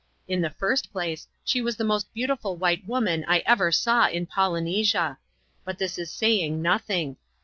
In the first place, she was the most beautiful white woman I ever saw in Polynesia. But this is saying no thing.